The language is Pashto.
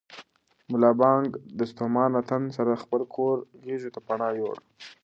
ملا بانګ د ستومانه تن سره د خپل کور غېږې ته پناه یووړه.